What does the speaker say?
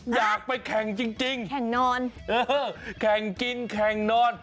อยากไปแข่งจริงแข่งนอนเออแข่งกินแข่งนอน